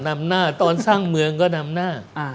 นำหน้าตอนสร้างเมืองก็นำหน้า